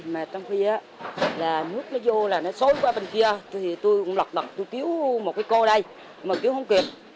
mà trong khi á là nước nó vô là nó xối qua bên kia thì tôi cũng lọt lọt tôi cứu một cái cô đây mà cứu không kịp